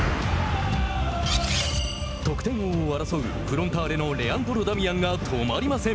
得点王を争うフロンターレのレアンドロ・ダミアンが止まりません。